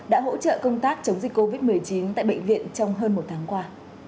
đã hỗ trợ công tác chống dịch covid một mươi chín tại bệnh viện trong hơn một tháng qua